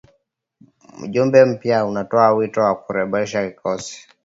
Mjumbe mpya anatoa wito wa kurekebisha kikosi